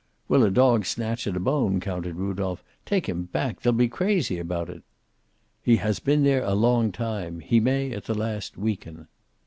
"Will a dog snatch at a bone?" countered Rudolph. "Take him back! They'll be crazy about it." "He has been there a long time. He may, at the last, weaken."